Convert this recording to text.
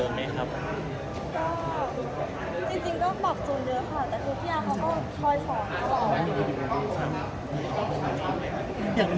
ก็จริงก็ต้องปรับจูนเยอะค่ะ